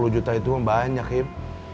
sepuluh juta itu mah banyak im